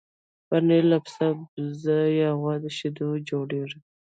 پنېر له پسه، بزه یا غوا شیدو جوړېږي.